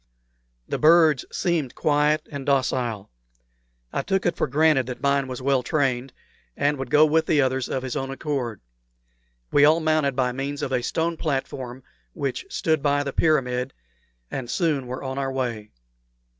The birds seemed quiet and docile. I took it for granted that mine was well trained, and would go with the others of his own accord. We all mounted by means of a stone platform which stood by the pyramid, and soon were on our way.